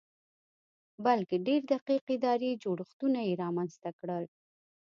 بلکې ډېر دقیق اداري جوړښتونه یې رامنځته کړل